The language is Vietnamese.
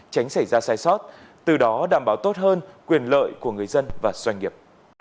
tránh xảy ra sai sót từ đó đảm bảo tốt hơn quyền lợi của người dân và doanh nghiệp